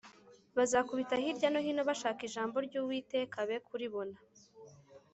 bazakubita hirya no hino bashaka ijambo ry’Uwiteka be kuribona.